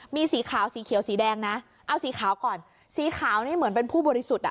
มีสีขาวสีเขียวสีแดงนะเอาสีขาวก่อนสีขาวนี่เหมือนเป็นผู้บริสุทธิ์อ่ะ